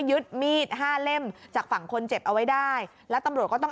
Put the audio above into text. ยึดมีดห้าเล่มจากฝั่งคนเจ็บเอาไว้ได้แล้วตำรวจก็ต้อง